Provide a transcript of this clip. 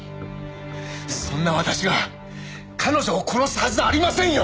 そんな私が彼女を殺すはずありませんよ！